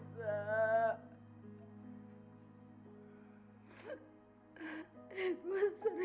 terima kasih ibu aisyah